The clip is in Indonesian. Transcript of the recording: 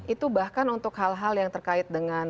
itu bahkan untuk hal hal yang terkait dengan